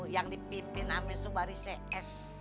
yang dipimpin amir subari cs